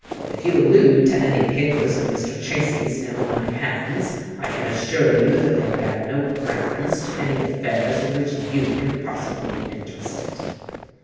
"If you allude to any papers of Mr. Tracy's now in my hands, I can assure you that they bear no reference to any affairs in which you can possibly be interested."